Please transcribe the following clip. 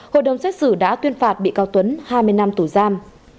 hội đồng xét xử đã tuyên phạt bị cáo tuấn hai mươi năm tù giam